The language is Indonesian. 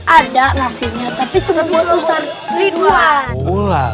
ada nasinya tapi cuma buat ustadz